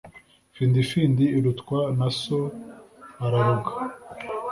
findifindi irutwa na so araroga